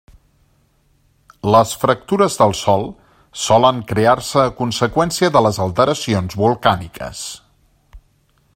Les fractures del sòl solen crear-se a conseqüència de les alteracions volcàniques.